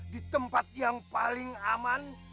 di tempat yang paling aman